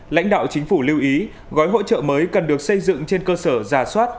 lãnh đạo chính phủ lưu ý gói hỗ trợ mới cần được xây dựng trên cơ sở giả soát